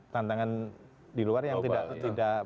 tantangan di luar yang tidak